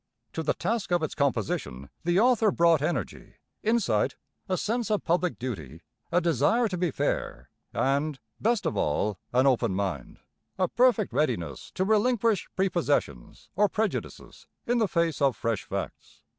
To the task of its composition the author brought energy, insight, a sense of public duty, a desire to be fair, and, best of all, an open mind, a perfect readiness to relinquish prepossessions or prejudices in the face of fresh facts.